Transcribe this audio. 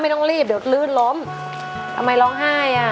ต้องรีบเดี๋ยวลื่นล้มทำไมร้องไห้อ่ะ